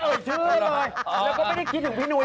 แล้วก็ไม่ได้คิดถึงพี่หนุยด้วย